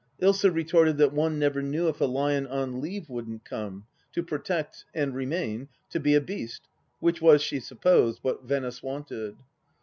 248 THE LAST DITCH Ilsa retorted that one never knew if a lion on leave wouldn't come — to protect, and remain — to be a beast, which was she supposed, what Venice wanted